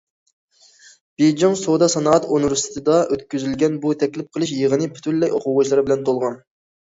بېيجىڭ سودا- سانائەت ئۇنىۋېرسىتېتىدا ئۆتكۈزۈلگەن بۇ تەكلىپ قىلىش يىغىنى پۈتۈنلەي ئوقۇغۇچىلار بىلەن تولغان.